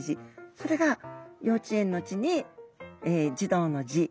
それが幼稚園の「稚」に児童の「児」